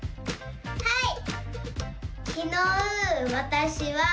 はい！